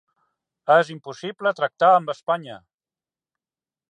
És impossible tractar amb Espanya!